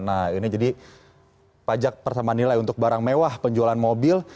nah ini jadi pajak pertama nilai untuk barang mewah penjualan mobil